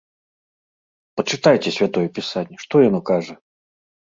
Пачытайце святое пісанне, што яно кажа?